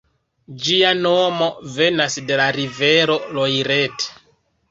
Ĝia nomo venas de la rivero Loiret.